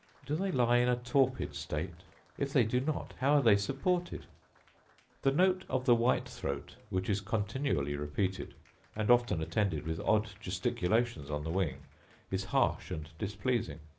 Do they lie in a torpid state? if they do not, how are they supported? The note of the white throat, which is continually repeated, and often attended with odd gesticulations on the wing, is harsh and displeasing.